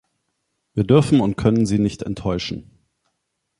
Wir dürfen und können sie nicht enttäuschen.